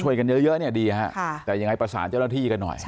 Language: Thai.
กันเยอะเนี่ยดีฮะแต่ยังไงประสานเจ้าหน้าที่กันหน่อย